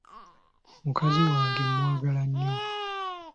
Mukazi wange mwagala nnyo.